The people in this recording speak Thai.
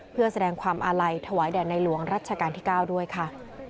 เพื่อแสดงความอาลัยถวายแด่ในหลวงรัชกาลที่๙ด้วยค่ะ